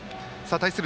対する